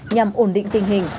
nhằm ổn định tình hình